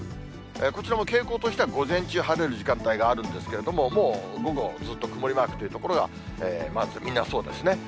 こちらも傾向としては午前中、晴れる時間帯があるんですけれども、もう午後、ずっと曇りマークの所が、マークはみんなそうですね。